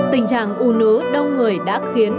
tình trạng u nứ đông người đã khiến